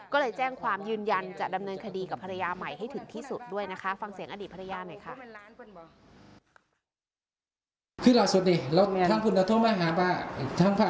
ก็เลยแจ้งความยืนยันจะดำเนินคดีกับภรรยาใหม่ให้ถึงที่สุดด้วยนะคะฟังเสียงอดีตภรรยาหน่อยค่ะ